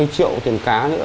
hai mươi triệu tiền cá nữa